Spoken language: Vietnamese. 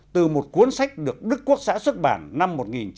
từ một cuốn sách được đức quốc xã xuất bản năm một nghìn chín trăm bảy mươi